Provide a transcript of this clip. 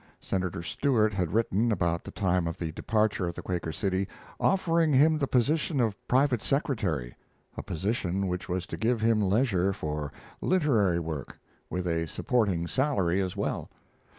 Senator Stewart had written, about the time of the departure of the Quaker City, offering him the position of private secretary a position which was to give him leisure for literary work, with a supporting salary as well.